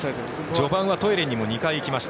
序盤はトイレにも２回行きました。